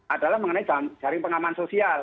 adalah mengenai jaring pengaman sosial